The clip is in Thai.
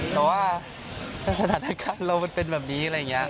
แต่ว่าสถานการณ์เรามันเป็นแบบนี้อะไรอย่างนี้